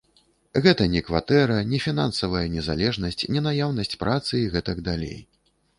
Гэта не кватэра, не фінансавая незалежнасць, не наяўнасць працы і гэтак далей.